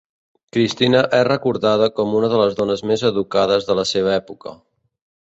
Cristina és recordada com una de les dones més educades de la seva època.